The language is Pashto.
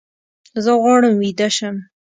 زه غواړم ویده شم